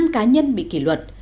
năm cá nhân bị kỷ luật